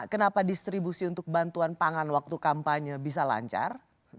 kenapa distribusi untuk bantuan pangan waktu kampanye bisa lancar